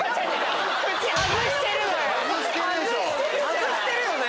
外してるよね？